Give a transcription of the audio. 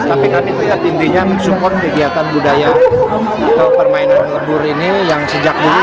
tapi kami lihat intinya support kegiatan budaya permainan lembur ini yang sejak dulu